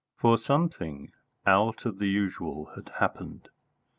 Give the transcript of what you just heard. For something out of the usual had happened.